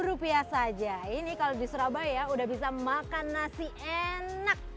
rp lima saja ini kalau di surabaya udah bisa makan nasi enak